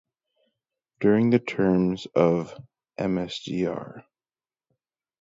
During the terms of Msgr.